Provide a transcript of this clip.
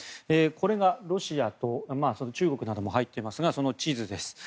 これがロシアと中国なども入っていますがその地図です。